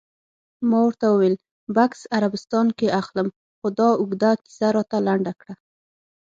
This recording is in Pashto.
ما ورته وویل: بکس عربستان کې اخلم، خو دا اوږده کیسه راته لنډه کړه.